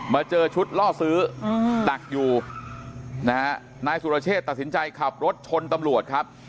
เจอชุดล่อซื้อดักอยู่นะฮะนายสุรเชษตัดสินใจขับรถชนตำรวจครับ